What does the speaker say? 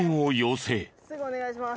すぐお願いします。